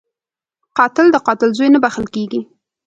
قاتل د قاتل زوی نه بخښل کېږي